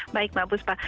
baik mbak puspa